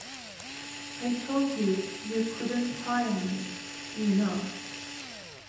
I told you, you couldn't tire me, you know.